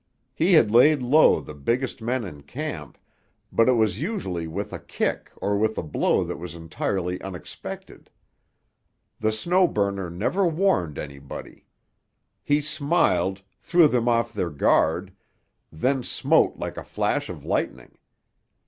He had laid low the biggest men in camp, but it was usually with a kick or with a blow that was entirely unexpected. The Snow Burner never warned any body. He smiled, threw them off their guard, then smote like a flash of lightning.